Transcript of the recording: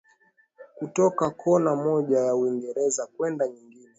kutoka kona moja ya Uingereza kwenda nyingine